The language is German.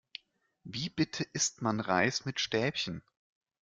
Wie bitte isst man Reis mit Stäbchen?